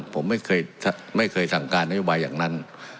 ผมไม่เคยสั่งการนโยบายอย่างนั้น